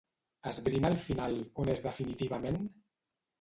Esbrina al final on és definitivament?